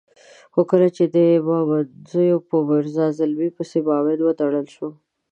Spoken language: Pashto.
خو کله چې د مامدزو په میرزا زلمي پسې معاون وتړل شو.